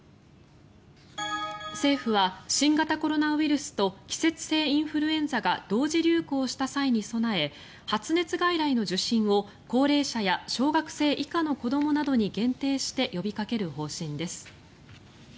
政府は新型コロナウイルスと季節性インフルエンザが同時流行した際に備え発熱外来の受診を高齢者や小学生以下の子どもなどに限定して呼びかける方針です。